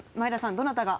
どなたが？